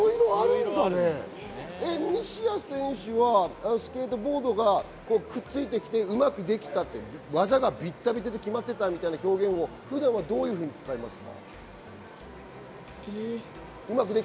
西矢選手はスケートボードがくっついてきて、うまくできた技がビッタビタで決まっていたみたいな表現をどういうふうに使いますか？